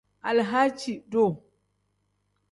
Alahaaci-duu.